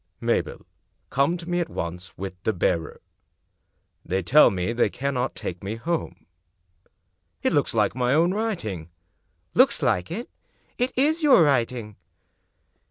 "' Mabel, come to me at once with the bearer. They tell me that they cannot take me home.' It looks like my own writing." " Looks like it I It is your writing."